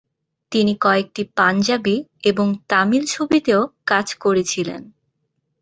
তিনি কয়েকটি পাঞ্জাবি এবং তামিল ছবিতেও কাজ করেছিলেন।